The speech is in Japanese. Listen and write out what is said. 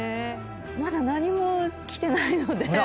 まだ何も来てないので。